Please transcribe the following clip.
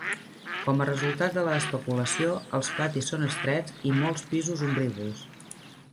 Com a resultat de la especulació, els patis són estrets i molts pisos ombrívols.